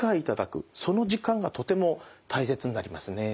その時間がとても大切になりますね。